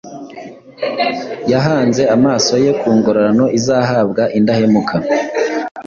Yahanze amaso ye ku ngororano izahabwa indahemuka,